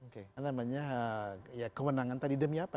karena namanya ya kewenangan tadi demi apa